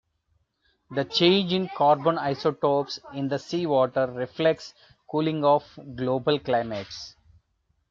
The change in carbon isotopes in the sea water reflects cooling of global climates.